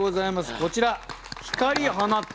こちら「光放つて」。